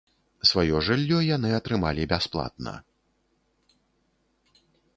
Сваё жыллё яны атрымалі бясплатна.